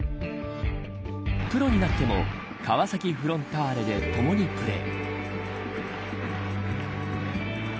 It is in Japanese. プロになっても川崎フロンターレで共にプレー。